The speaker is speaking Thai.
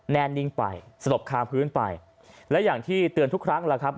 แน่นิ่งไปสลบคาพื้นไปและอย่างที่เตือนทุกครั้งแล้วครับ